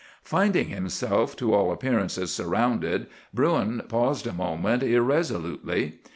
"Finding himself to all appearances surrounded, Bruin paused a moment irresolutely.